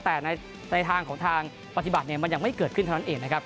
แต่ในทางของทางปฏิบัติเนี่ยมันยังไม่เกิดขึ้นเท่านั้นเองนะครับ